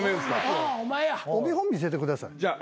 お手本見せてください。